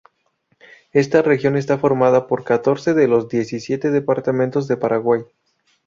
Esta región está formada por catorce de los diecisiete departamentos de Paraguay.